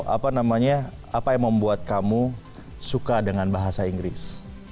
apa yang membuat kamu suka dengan bahasa inggris